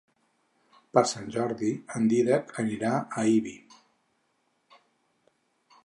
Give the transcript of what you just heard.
Per Sant Jordi en Dídac anirà a Ibi.